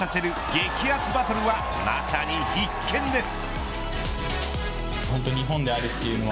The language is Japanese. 激熱バトルは、まさに必見です。